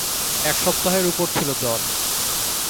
এক সপ্তাহের উপর ছিল জ্বর।